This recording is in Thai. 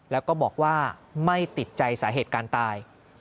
แล้วก็บอกว่าไม่ติดใจสาเหตุการณ์ตาย